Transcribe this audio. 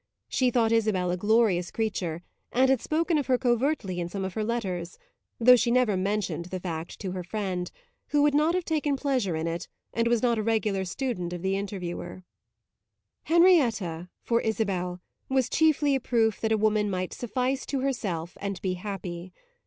She thought Isabel a glorious creature, and had spoken of her covertly in some of her letters, though she never mentioned the fact to her friend, who would not have taken pleasure in it and was not a regular student of the Interviewer. Henrietta, for Isabel, was chiefly a proof that a woman might suffice to herself and be happy.